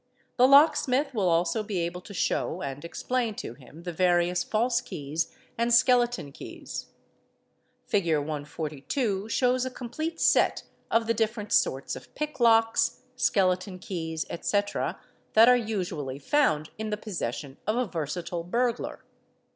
'The locksmith will also be able to show and explain to him the various false keys and skeleton keys. Fig. 142 shows a complete set of the different sorts of pick locks, skeleton keys, etc., that are usually found in the posses sion of a versatile burglar.